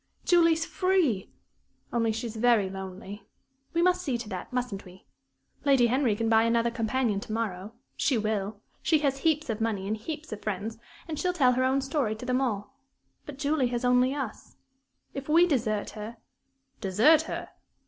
"Julie's free! Only she's very lonely. We must see to that, mustn't we? Lady Henry can buy another companion to morrow she will. She has heaps of money and heaps of friends, and she'll tell her own story to them all. But Julie has only us. If we desert her " "Desert her!"